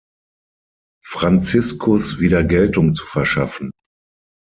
Franziskus wieder Geltung zu verschaffen.